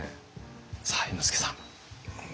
さあ猿之助さん。